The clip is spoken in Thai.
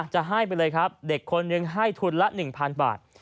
จะให้ไปเลยครับเด็กคนนึงให้ทุนละ๑๐๐๐บาท